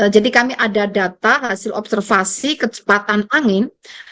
jadi kami ada data hasil observasi kecepatan angin